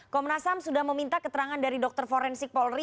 komnasam sudah meminta keterangan dari dr forensik polri